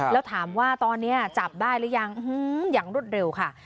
แล้วถามว่าตอนนี้จับได้หรือยังอย่างรวดเร็วค่ะ